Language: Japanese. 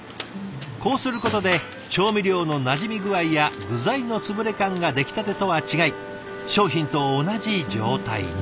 こうすることで調味料のなじみ具合や具材の潰れ感が出来たてとは違い商品と同じ状態に。